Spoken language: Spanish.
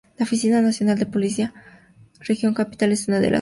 La Oficina Nacional de Policía Región Capital es una de esas oficinas regionales.